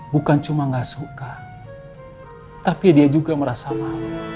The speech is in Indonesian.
bukan cuma gak suka tapi dia juga merasa malu